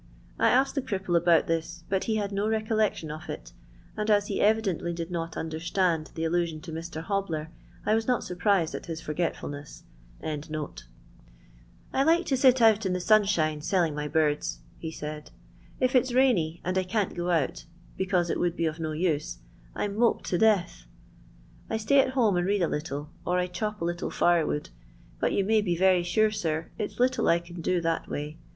I asked the cripple about this, but he had no recollection of it ; and, as he evidently did not understand the allusion to Mr. Hobbler, I was not surprised at his forgetful ness.] " I like to sit out in the nuahiM leUing ay birds," he said. " If it 's rainy, and I can't go mt, because it would be of no use, I 'm moped to death. I stay at home and read a little ; or I chop a littb fire wood, but you may bt very aura, air, its little I can do that way.